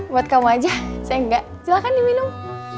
buat kamu aja saya enggak silahkan diminum